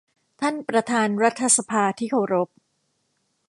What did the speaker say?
ท่านประธานรัฐสภาที่เคารพ